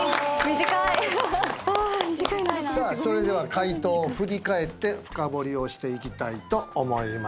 それでは回答を振り返って深掘りをしていきたいと思います。